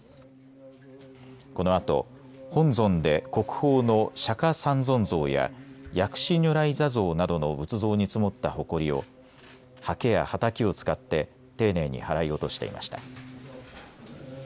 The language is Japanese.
このあと本尊で国宝の釈迦三尊像や薬師如来坐像などの仏像に積もったほこりをはけやはたきを使って丁寧に払い落としていました。